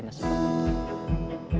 kondisi kondisi kondisi